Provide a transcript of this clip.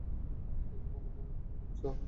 এটা কি কোনো ধরনের হুমকি দিচ্ছ?